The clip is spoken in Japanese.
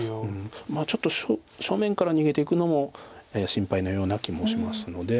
ちょっと正面から逃げていくのも心配のような気もしますので。